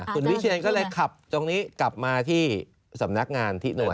คุณวิเชียนก็เลยขับตรงนี้กลับมาที่สำนักงานที่หน่วย